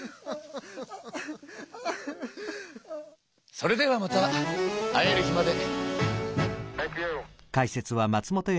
それではまた会える日まで。